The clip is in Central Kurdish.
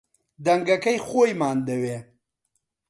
دەنگەکەی خۆیمان دەوێ